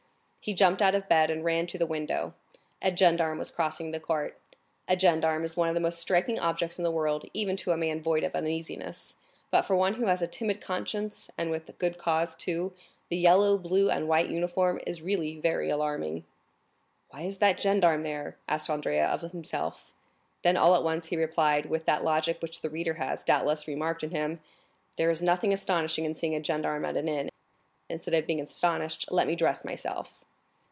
He jumped out of bed and ran to the window. A gendarme was crossing the court. A gendarme is one of the most striking objects in the world, even to a man void of uneasiness; but for one who has a timid conscience, and with good cause too, the yellow, blue, and white uniform is really very alarming. "Why is that gendarme there?" asked Andrea of himself. Then, all at once, he replied, with that logic which the reader has, doubtless, remarked in him, "There is nothing astonishing in seeing a gendarme at an inn; instead of being astonished, let me dress myself."